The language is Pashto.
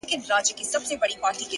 پوه انسان له هر چا څه زده کوي؛